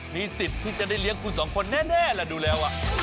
มีสิทธิ์ที่จะได้เลี้ยงคุณสองคนแน่แหละดูแล้ว